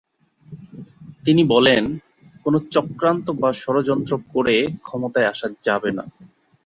তিনি বলেন, কোনো চক্রান্ত বা ষড়যন্ত্র করে ক্ষমতায় আসা যাবে না।